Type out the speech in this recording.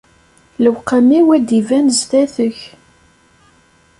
Lewqam-iw ad d-iban sdat-k.